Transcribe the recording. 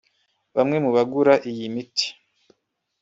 Bamwe mu bagura iyi miti